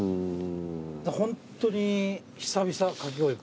ホントに久々かき氷食うの。